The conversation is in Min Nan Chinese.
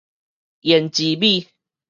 胭脂米